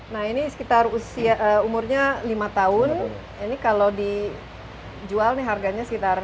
nah ini sekitar usia umurnya lima tahun ini kalau dijual nih harganya sekitar